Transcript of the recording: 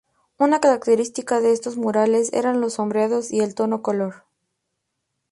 Una característica de estos murales eran los sombreados y el tono color.